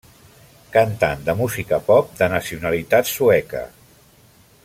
Cantant de música pop de nacionalitat sueca.